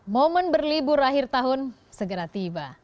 momen berlibur akhir tahun segera tiba